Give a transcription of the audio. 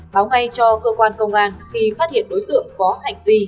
báo ngay cho cơ quan công an khi phát hiện đối tượng có hành vi